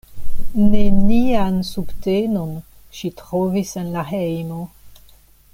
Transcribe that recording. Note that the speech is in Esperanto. Nenian subtenon ŝi trovis en la hejmo.